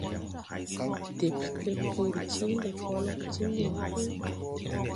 Dɛpte bɔr tiŋ lɛkɔl gɔ ti ŋgel ɓuy.